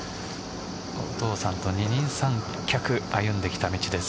お父さんと二人三脚で歩んできた道です。